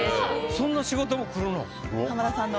そんな仕事も来るの？